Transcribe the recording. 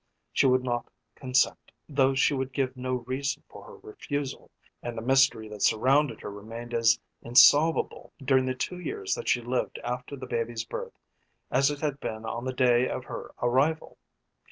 She would not consent, though she would give no reason for her refusal, and the mystery that surrounded her remained as insolvable during the two years that she lived after the baby's birth as it had been on the day of her arrival.